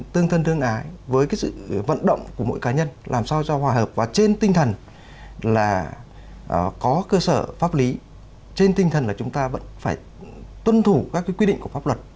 tôi nghĩ trên tinh thần là chúng ta vẫn phải tuân thủ các quyết định của pháp luật